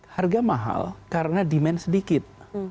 harga mahal karena demand sedikit